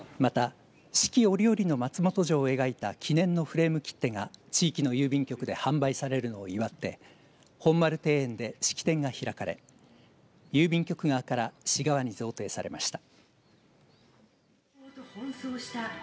また四季折々の松本城を描いた記念のフレーム切手が地域の郵便局で販売されるのを祝って本丸庭園で式典が開かれ郵便局側から市側に贈呈されました。